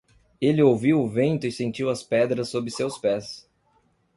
Ele ouviu o vento e sentiu as pedras sob seus pés.